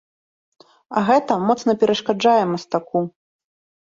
А гэта моцна перашкаджае мастаку.